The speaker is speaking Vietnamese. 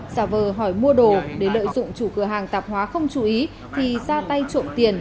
giả vờ hỏi mua đồ để lợi dụng chủ cửa hàng tạp hóa không chú ý thì ra tay trộm tiền